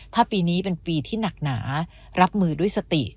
ถ้าปีนี้เป็นปีที่หนักหนารับมือด้วยสติ